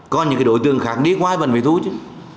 còn những cái đối tượng khác đi ngoài bằng về thu chứ